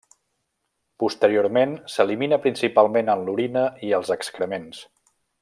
Posteriorment s'elimina principalment en l'orina i els excrements.